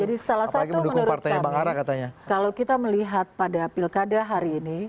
salah satu menurut kami kalau kita melihat pada pilkada hari ini